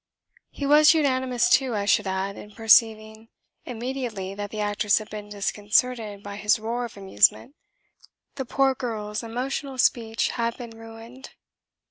He was unanimous too, I should add, in perceiving immediately that the actress had been disconcerted by his roar of amusement. The poor girl's emotional speech had been ruined.